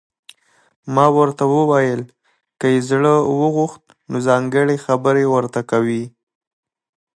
ما ورته وویل: که یې زړه وغوښت، نو ځانګړي خبرې ورته کوي.